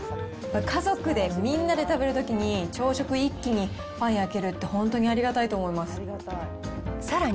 これ、家族でみんなで食べるときに、朝食一気にパン焼けるって、本当にありがたいと思います。